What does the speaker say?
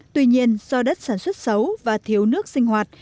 tuy nhiên do đất sản xuất xấu và thiếu nước sinh hoạt